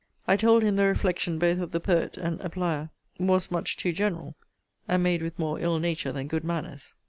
I told him the reflection both of the poet and applier was much too general, and made with more ill nature than good manners.